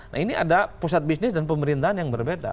nah ini ada pusat bisnis dan pemerintahan yang berbeda